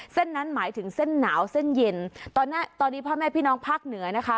เส้นนั้นหมายถึงเส้นหนาวเส้นเย็นตอนนี้พ่อแม่พี่น้องภาคเหนือนะคะ